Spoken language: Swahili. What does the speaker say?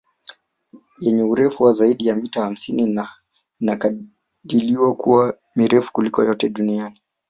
Yenye urefu wa zaidi ya mita hamsini na inakadiliwa kuwa mirefu kuliko yote duniani